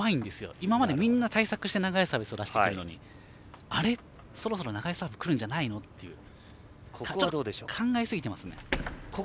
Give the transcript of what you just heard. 今までみんな、対策してきて長いサービスを出してくるのにそろそろ長いサービスがくるんじゃないの？って考えすぎてますね。